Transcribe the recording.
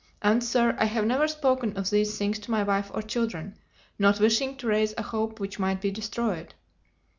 And, sir, I have never spoken of these things to my wife or children, not wishing to raise a hope which might be destroyed."